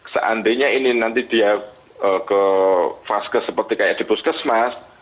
seandainya ini nanti dia ke vaskes seperti kayak di puskesmas